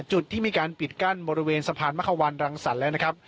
จุดที่มีการปิดกั้นบริเวณสะพานมะควันรังสรรค์แล้วนะครับ